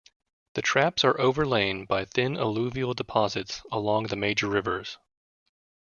The traps are overlain by thin alluvial deposits along the major rivers.